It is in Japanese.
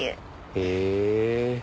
へえ。